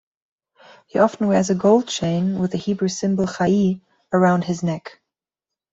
He often wears a gold chain with the Hebrew symbol 'chai' around his neck.